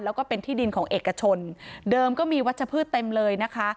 แล้วก็เป็นที่ดินของเอกชนเดิมก็มีวัชพืชเต็มเลยนะคะ